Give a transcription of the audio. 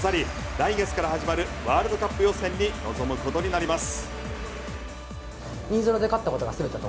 来月から始まるワールドカップ予選に臨むことになります。